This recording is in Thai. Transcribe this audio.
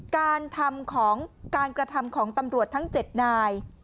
การกระทำของตำรวจทั้ง๗นาย